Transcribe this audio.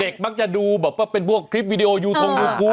มักจะดูแบบว่าเป็นพวกคลิปวิดีโอยูทงยูทูป